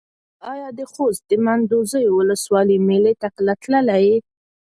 ایا د خوست د منډوزیو ولسوالۍ مېلې ته کله تللی یې؟